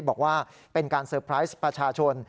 บอกว่าเป็นการเตอร์ไพรส์ประชาชน